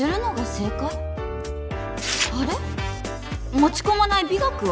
持ち込まない美学は？